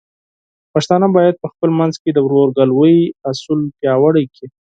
پښتانه بايد په خپل منځ کې د ورورګلوۍ اصول پیاوړي کړي.